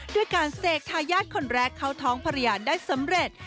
ด้วยการเสกทายาทคนแรกเข้าท้องภรรยาได้สำเร็จ